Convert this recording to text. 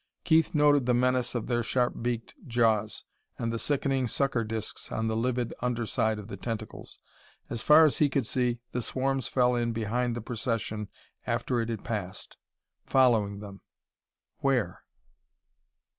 Keith noted the menace of their sharp beaked jaws, and the sickening sucker discs on the livid under side of the tentacles. As far as he could see, the swarms fell in behind the procession after it had passed. Following them where?